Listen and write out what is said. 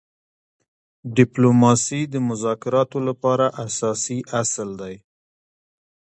ډيپلوماسي د مذاکراتو لپاره اساسي اصل دی.